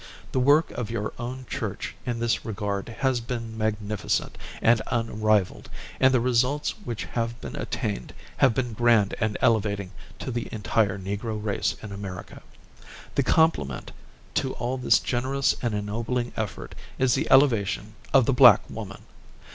The work of your own Church in this regard has been magnificent and unrivaled, and the results which have been attained have been grand and elevating to the entire Negro race in America. The complement to all this generous and ennobling effort is the elevation of the black woman.